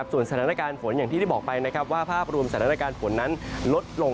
ส่วนสถานการณ์ฝนอย่างที่ได้บอกไปว่าภาพรวมสถานการณ์ฝนนั้นลดลง